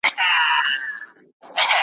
له قلمه مي زړه تور دی له کلامه ګیله من یم ,